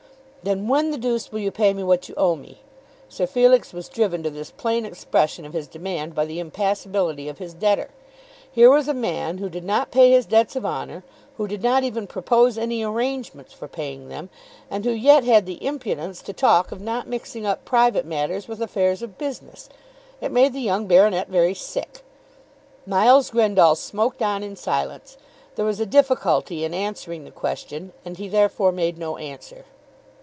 "Then, when the deuce will you pay me what you owe me?" Sir Felix was driven to this plain expression of his demand by the impassibility of his debtor. Here was a man who did not pay his debts of honour, who did not even propose any arrangement for paying them, and who yet had the impudence to talk of not mixing up private matters with affairs of business! It made the young baronet very sick. Miles Grendall smoked on in silence. There was a difficulty in answering the question, and he therefore made no answer.